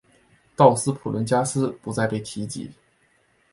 道斯普伦加斯不再被提及。